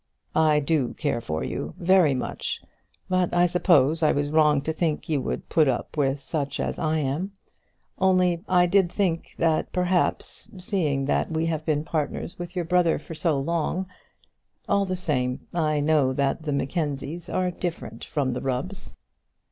"I do care for you, very much; but I suppose I was wrong to think you would put up with such as I am. Only I did think that perhaps, seeing that we had been partners with your brother so long All the same, I know that the Mackenzies are different from the Rubbs."